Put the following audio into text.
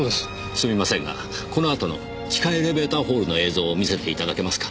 すみませんがこのあとの地下エレベーターホールの映像を見せていただけますか？